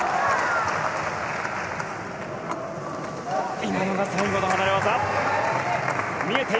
今のが最後の離れ技。